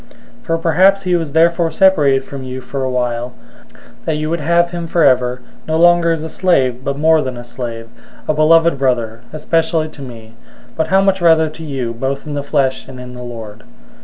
001:015 For perhaps he was therefore separated from you for a while, that you would have him forever, 001:016 no longer as a slave, but more than a slave, a beloved brother, especially to me, but how much rather to you, both in the flesh and in the Lord.